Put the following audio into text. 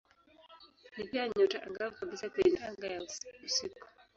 Ni pia nyota angavu kabisa kwenye anga ya usiku.